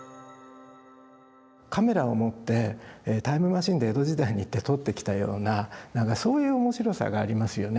カメラを持ってタイムマシンで江戸時代に行って撮ってきたような何かそういう面白さがありますよね。